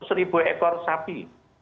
seribu ekor sapi